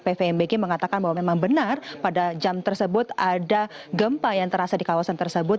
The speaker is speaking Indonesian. pvmbg mengatakan bahwa memang benar pada jam tersebut ada gempa yang terasa di kawasan tersebut